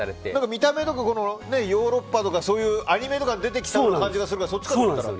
見た目とかヨーロッパとかそういうアニメとかに出てきそうな感じがするのでそっちかと思ったら。